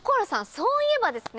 そういえばですね。